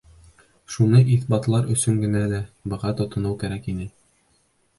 Шуны иҫбатлар өсөн генә лә быға тотоноу кәрәк ине.